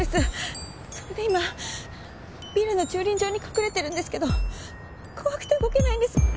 それで今ビルの駐輪場に隠れてるんですけど怖くて動けないんです。